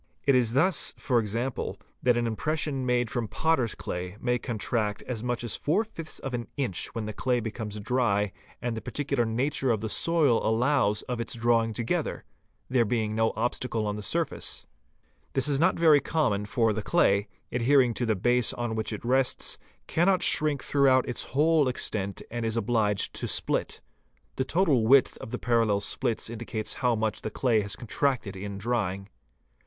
It is thus, for example, that an impression made from potter's clay may contract as much as four fifths of an inch when 'the clay becomes dry and the particular nature of the soil allows of | its drawing together, there being no obstacle on the surface. This is 'not very common for the clay, adhering to the base on which it rests, cannot shrink throughout its whole extent and is obliged to split. The total width of the parallel splits indicates how much the clay has con tracted in drying.